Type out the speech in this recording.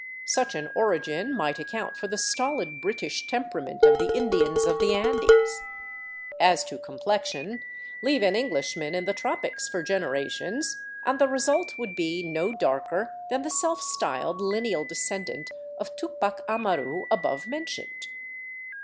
Such an origin might account for the stolid British temperament of the Indians of the Andes ; as to complexion, leave an Englishman in the tropics for gen erations and the result would be no darker than the self styled lineal descendant of Tupac Amaru above mentioned.